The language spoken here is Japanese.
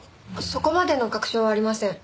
そこまでの確証はありません。